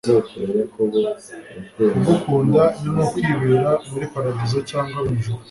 Kugukunda ni nko kwibera muri paradizo cyngwa mu ijuru